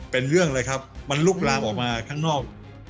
เป็นเรื่องเลยครับมันลุกลามออกมาข้างนอก